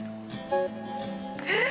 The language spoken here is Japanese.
えっ